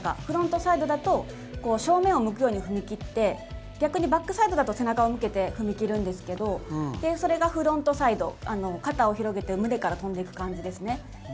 フロントサイドだと正面を向くように踏み切って逆にバックサイドだと背中を向けて踏み切るんですけどそれがフロントサイド肩を広げて胸から飛んでいく感じですね。